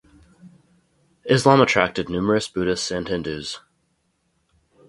Islam attracted numerous Buddhists and Hindus.